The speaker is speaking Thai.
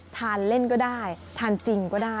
ทานเล่นก็ได้ทานจริงก็ได้